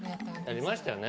やりましたよね。